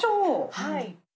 はい。